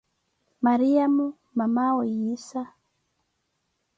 Mariyamo, mamaawe Yinsa